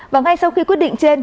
và ngay sau khi quyết định trên